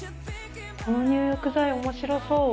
この入浴剤面白そう。